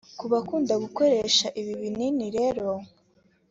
Ku bakunda gukoresha ibi binini rero